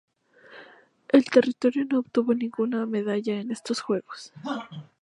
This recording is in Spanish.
El territorio no obtuvo ninguna medalla en estos juegos.